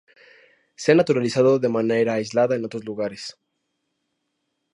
Se ha naturalizado de manera aislada en otros lugares.